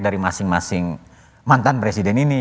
dari masing masing mantan presiden ini